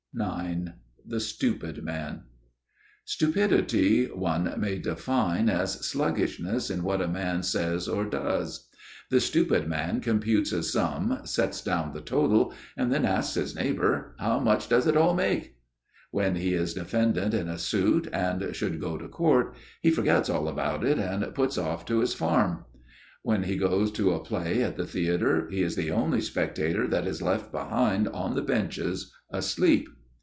IX The Stupid Man (Ἀναισθησία) Stupidity one may define as sluggishness in what a man says or does. The stupid man computes a sum, sets down the total, and then asks his neighbor: "How much does it all make?" When he is defendant in a suit and should go to court, he forgets all about it and puts off to his farm. When he goes to a play at the theatre he is the only spectator that is left behind on the benches asleep.